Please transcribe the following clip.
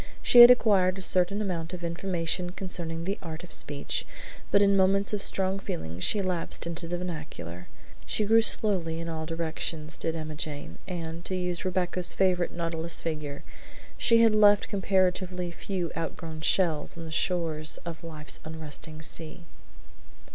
She had acquired a certain amount of information concerning the art of speech, but in moments of strong feeling she lapsed into the vernacular. She grew slowly in all directions, did Emma Jane, and, to use Rebecca's favorite nautilus figure, she had left comparatively few outgrown shells on the shores of "life's unresting sea."